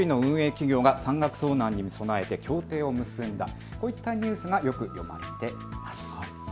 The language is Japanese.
企業が山岳遭難に備えて協定を結んだ、こういったニュースがよく読まれています。